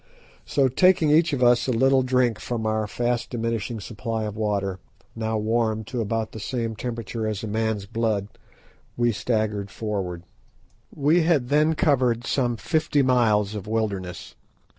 So taking each of us a little drink from our fast diminishing supply of water, now warmed to about the same temperature as a man's blood, we staggered forward. We had then covered some fifty miles of wilderness.